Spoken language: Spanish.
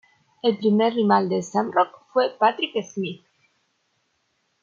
El primer rival de Shamrock fue Patrick Smith.